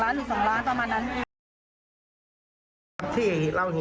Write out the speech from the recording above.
พี่อ่ะครับผมก็น่าจะประมาณสักสักเกือบสองล้านหรือสองล้าน